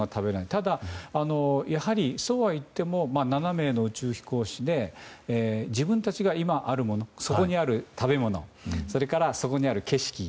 ただ、やはりそうはいっても７名の宇宙飛行士で自分たちが、そこにある食べ物それから、そこにある景色。